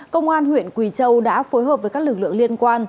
công an huyện quỳ châu đã phối hợp với các lực lượng liên quan